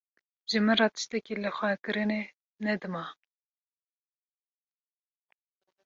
Ji min re tiştekî lixwekirinê ne dima.